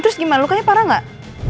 terus gimana lukanya parah nggak